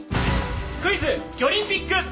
クイズ魚リンピック。